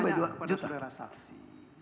pertanyaan kepada saudara saksi